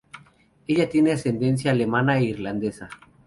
Ella tiene ascendencia alemana e irlandesa.